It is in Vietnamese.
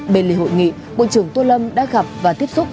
bên lề hội nghị bộ trưởng tô lâm đã gặp và tiếp xúc